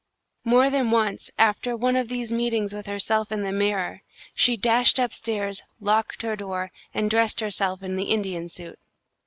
More than once, after one of these meetings with herself in the mirror, she dashed up stairs, locked her door, and dressed herself in her Indian suit.